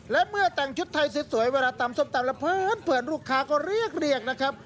และเมื่อแต่งชุดไทยสวยเวลาตำส้มตำแล้วเพื่อนลูกค้าก็เรียกนะครับ